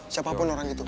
siapapun orang itu